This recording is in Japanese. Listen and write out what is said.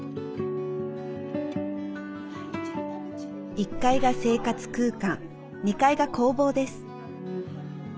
１階が生活空間２階が工房です。